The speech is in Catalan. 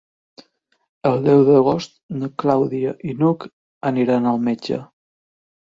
El deu d'agost na Clàudia i n'Hug aniran al metge.